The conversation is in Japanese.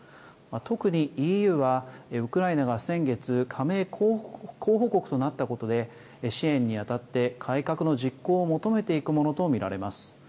特にＥＵは、ウクライナが先月加盟候補国となったことで支援に当たって改革の実行を求めていくものと見られます。